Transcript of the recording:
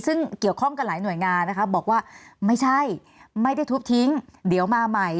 ซึ่งเกี่ยวข้องกันหลายหน่วยงานนะคะบอกว่าไม่ใช่ไม่ได้ทุบทิ้งเดี๋ยวมาใหม่